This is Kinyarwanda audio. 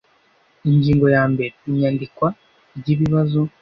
Ingingo ya mbere Inyandikwa ry ibibazo